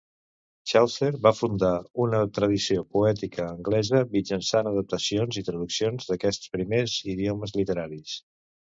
Chaucer va fundar una tradició poètica anglesa mitjançant adaptacions i traduccions d'aquests primers idiomes literaris.